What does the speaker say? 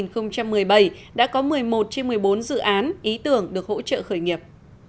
năm hai nghìn một mươi bảy đã có một mươi một trên một mươi bốn dự án ý tưởng được hỗ trợ khởi nghiệp